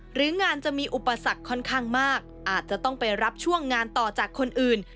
หรืองานจะมีอุปสรรคค่อนข้างมากอาจจะต้องไปรับช่วงงานต่อจากคนอื่น